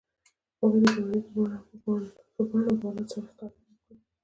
هغوی د ژمنې په بڼه باران سره ښکاره هم کړه.